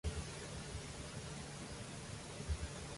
Hitler quedó devastado por este suceso y cayó en una profunda depresión.